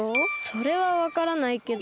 それはわからないけど。